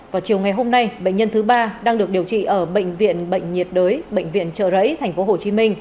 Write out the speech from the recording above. vào chiều ngày hôm nay bệnh nhân thứ ba đang được điều trị ở bệnh viện bệnh nhiệt đới bệnh viện trợ rẫy tp hcm